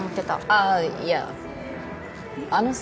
あぁいやあのさ。